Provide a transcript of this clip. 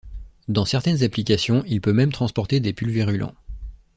Dans certaines applications, il peut même transporter des pulvérulents.